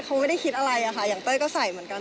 เขาไม่ได้คิดอะไรอะค่ะอย่างเต้ยก็ใส่เหมือนกัน